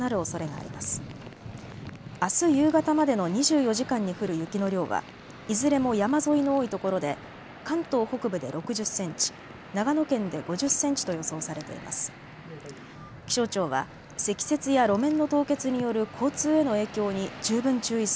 あす夕方までの２４時間に降る雪の量は、いずれも山沿いの多いところで関東北部で６０センチ、長野県で５０センチと予想されています。